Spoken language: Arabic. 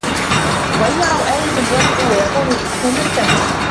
وَإِن يَرَوا آيَةً يُعرِضوا وَيَقولوا سِحرٌ مُستَمِرٌّ